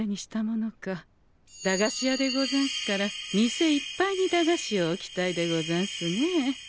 駄菓子屋でござんすから店いっぱいに駄菓子を置きたいでござんすね。